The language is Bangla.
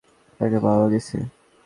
তাকে পাওয়া গেছে?